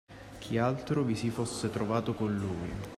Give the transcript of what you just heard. Chi altro vi si fosse trovato con lui